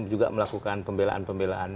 juga melakukan pembelaan pembelaan